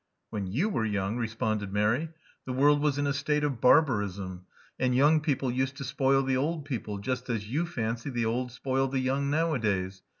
When you were young," responded Mary, the world was in a state of barbarism ; and young people used to spoil the old people, just as you fancy the old spoil the young nowadays.